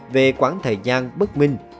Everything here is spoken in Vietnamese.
về quãng thời gian bất minh